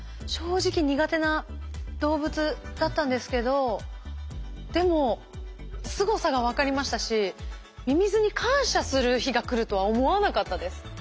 正直苦手な動物だったんですけどでもすごさが分かりましたしミミズに感謝する日が来るとは思わなかったです。